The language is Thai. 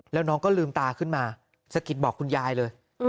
แล้วน้องก็ลืมตาขึ้นมาสะกิดบอกคุณยายเลย